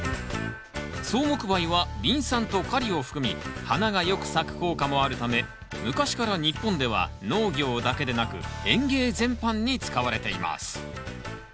草木灰はリン酸とカリを含み花がよく咲く効果もあるため昔から日本では農業だけでなく園芸全般に使われています。